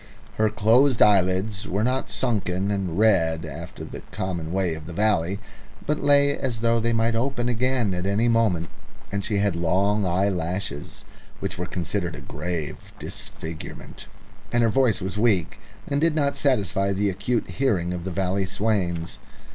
Her closed eyelids were not sunken and red after the common way of the valley, but lay as though they might open again at any moment; and she had long eyelashes, which were considered a grave disfigurement. And her voice was strong, and did not satisfy the acute hearing of the valley swains.